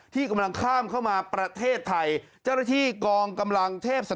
ที่กำลังข้ามเข้ามาประเทศไทยเจ้าหน้าที่กองกำลังเทพศร